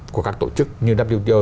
của các tổ chức như wto